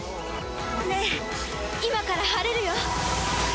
ねえ、今から晴れるよ。